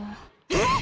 えっ！